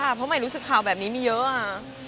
เพราะใหม่รู้สึกข่าวแบบนี้มีเยอะอะ